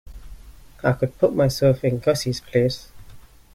I could put myself in Gussie's place.